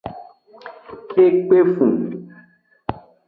E kpefun.